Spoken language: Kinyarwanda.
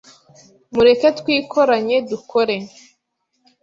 Mureke twikoranye dukore